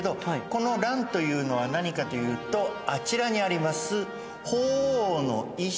この鸞というのは何かというとあちらにあります。